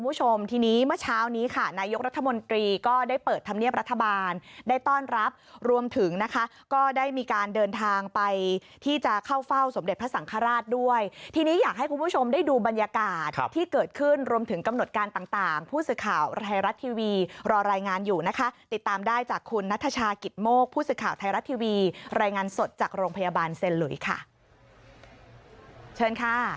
ผู้ชมที่นี้เมื่อเช้านี้ค่ะนายกรัฐมนตรีก็ได้เปิดทำเนียบรัฐบาลได้ต้อนรับรวมถึงนะคะก็ได้มีการเดินทางไปที่จะเข้าเฝ้าสมเด็จพระสังคาราชด้วยที่นี้อยากให้คุณผู้ชมได้ดูบรรยากาศที่เกิดขึ้นรวมถึงกำหนดการต่างผู้สื่อข่าวไทยรัฐทีวีรอรายงานอยู่นะคะติดตามได้จากคุณนัทชากิตโมกผู้สื่อข่าวไท